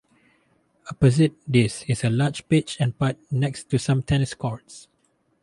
Opposite this is a large Pitch and Putt next to some tennis-courts.